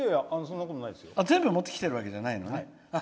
全部持ってきてるわけじゃないのね。